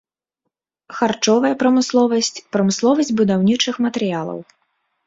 Харчовая прамысловасць, прамысловасць будаўнічых матэрыялаў.